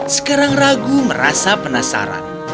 sekarang ragu merasa penasaran